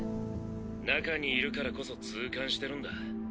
内部にいるからこそ痛感してるんだ。